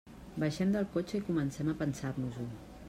Baixem del cotxe i comencem a pensar-nos-ho.